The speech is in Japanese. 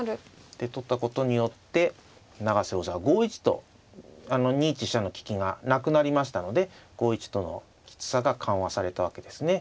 で取ったことによって永瀬王座は５一とあの２一飛車の利きがなくなりましたので５一とのきつさが緩和されたわけですね。